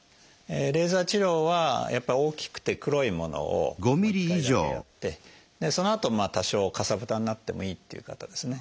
レーザー治療は大きくて黒いものを１回だけやってそのあと多少かさぶたになってもいいっていう方ですね。